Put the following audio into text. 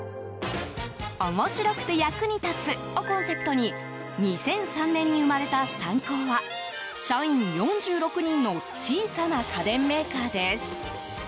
面白くて役に立つをコンセプトに２００３年に生まれたサンコーは社員４６人の小さな家電メーカーです。